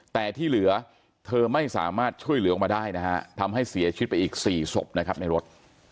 แต่ที่เหลือเธอไม่สามารถช่วยเหลือออกมาได้นะฮะทำให้เสียชีวิตไปอีก๔ศพนะครับในรถ